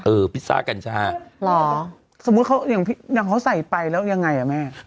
พิซซ่ากัญชาเหรอสมมุติเขาอย่างเขาใส่ไปแล้วยังไงอ่ะแม่